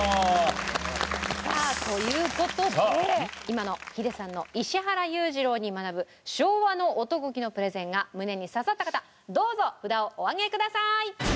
さあという事で今のヒデさんの石原裕次郎に学ぶ昭和の男気のプレゼンが胸に刺さった方どうぞ札をお上げください！